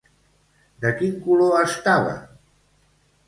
De quin color estava?